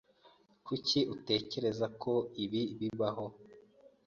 Kuki utekereza ko ibi bibaho?